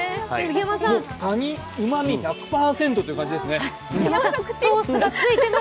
カニ、うまみ１００％って感じですね。